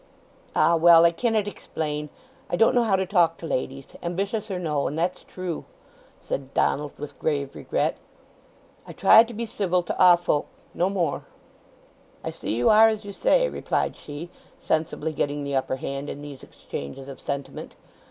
"Ah, well, I cannet explain. I don't know how to talk to ladies, ambitious or no; and that's true," said Donald with grave regret. "I try to be civil to a' folk—no more!" "I see you are as you say," replied she, sensibly getting the upper hand in these exchanges of sentiment.